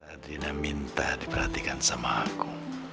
artinya minta diperhatikan sama aku